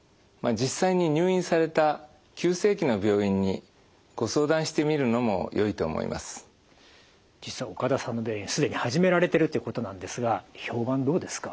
実際に実は岡田さんの病院既に始められてるということなんですが評判どうですか？